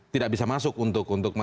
tidak bisa masuk untuk